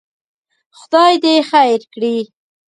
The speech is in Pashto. خدای دې خیر کړي.